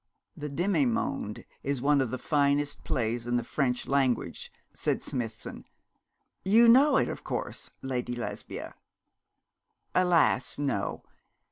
'The Demi monde is one of the finest plays in the French language,' said Smithson. 'You know it, of course, Lady Lesbia?' 'Alas! no.